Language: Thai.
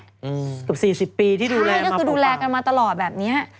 กับ๔๐ปีที่ดูแลมาประมาณใช่ก็คือดูแลกันมาตลอดแบบนี้